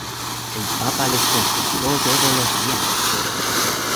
El papa les confiscó todos los bienes.